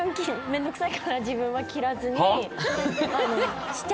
面倒くさいから自分は着らずにはっ？